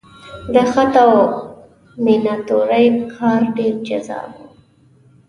د خط او میناتورۍ کار ډېر جذاب و.